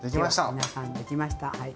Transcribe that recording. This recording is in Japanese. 皆さんできました。